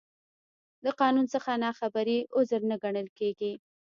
د قانون څخه نا خبري، عذر نه ګڼل کېږي.